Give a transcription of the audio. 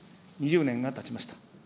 ２０年がたちました。